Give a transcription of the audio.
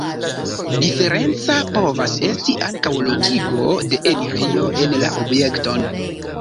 Diferenca povas esti ankaŭ lokigo de enirejo en la objekton.